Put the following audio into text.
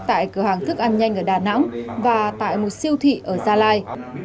tại cửa hàng thức ăn nhanh ở đà nẵng và tại một siêu thị ở gia lai